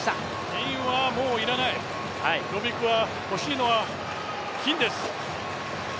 銀はもういらない、ノビキは欲しいのは金です。